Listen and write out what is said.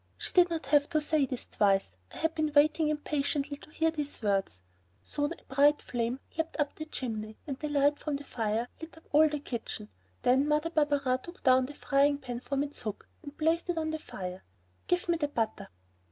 She did not have to say this twice; I had been waiting impatiently to hear these words. Soon a bright flame leaped up the chimney and the light from the fire lit up all the kitchen. Then Mother Barberin took down the frying pan from its hook and placed it on the fire. "Give me the butter!"